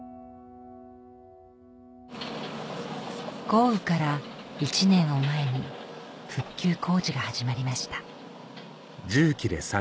豪雨から１年を前に復旧工事が始まりました